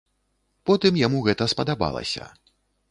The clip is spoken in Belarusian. Потым яму гэта спадабалася.